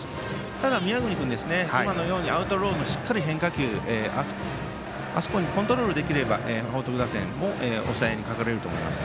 ただ、宮國君今のようにアウトローにしっかり変化球をコントロールできれば報徳打線も抑えられると思います。